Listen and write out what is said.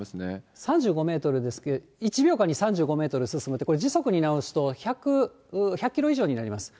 ３５メートルですけど、１秒間の３５メートル進むと、これ、時速に直すと１００キロ以上になります。